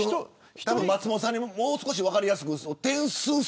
松本さんにもう少し分かりやすく。